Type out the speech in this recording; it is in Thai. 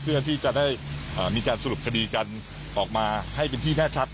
เพื่อที่จะได้มีการสรุปคดีกันออกมาให้เป็นที่แน่ชัด